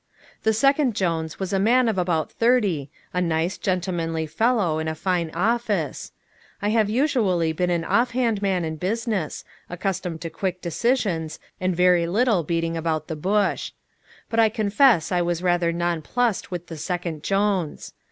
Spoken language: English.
The second Jones was a man of about thirty, a nice, gentlemanly fellow, in a fine office. I have usually been an off hand man in business, accustomed to quick decisions and very little beating about the bush. But I confess I was rather nonplussed with the second Jones.